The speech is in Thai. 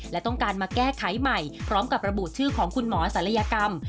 และต้องการมาแก้ไขใหม่พร้อมกับระบุชื่อของคุณหมอศัลยกรรม